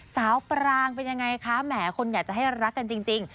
ปรางเป็นยังไงคะแหมคนอยากจะให้รักกันจริง